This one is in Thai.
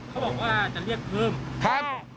เขาบอกว่าจะเรียกเพิ่มครับ